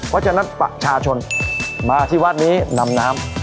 เพราะฉะนั้นประชาชนมาที่วัดนี้นำน้ำ